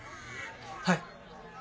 はい。